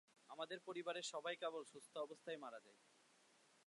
আমাদের পরিবারের সবাই কেবল সুস্থ অবস্থায়ই মারা যায়।